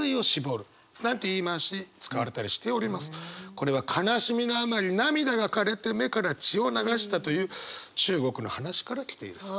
これは悲しみのあまり涙がかれて目から血を流したという中国の話から来ているそう。